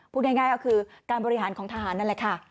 พูดง่ายก็คือการบริหารของทหารนั่นแหละค่ะ